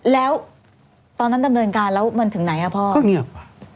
แล้วตอนนั้นดำเนินการแล้วมันถึงไหนอ่ะพ่อก็เงียบ